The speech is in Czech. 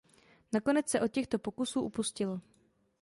Nakonec se od těchto pokusů upustilo.